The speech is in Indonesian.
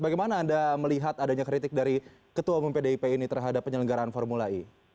bagaimana anda melihat adanya kritik dari ketua umum pdip ini terhadap penyelenggaraan formula e